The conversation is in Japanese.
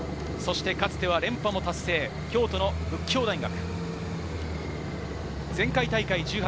かつては連覇も達成、京都の佛教大学。